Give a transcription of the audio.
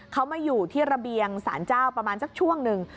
เขามาอยู่ที่ระเบียงสารเจ้าประมาณสักช่วงหนึ่ง